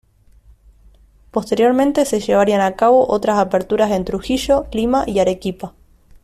Posteriormente se llevarían a cabo otras aperturas en Trujillo, Lima y Arequipa.